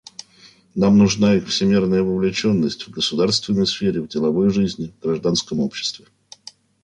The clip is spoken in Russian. Нам нужна их всемерная вовлеченность — в государственной сфере, в деловой жизни, в гражданском обществе.